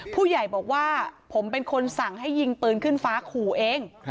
ผู้ใหญ่บอกว่าผมเป็นคนสั่งให้ยิงปืนขึ้นฟ้าขู่เอง